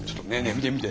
見て見て。